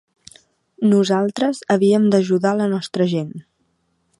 Nosaltres havíem d’ajudar la nostra gent.